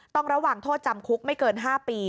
ต้องระวังโทษจำคุกไม่เกิน๕ปี